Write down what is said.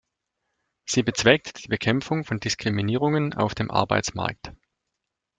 Sie bezweckt die Bekämpfung von Diskriminierungen auf dem Arbeitsmarkt.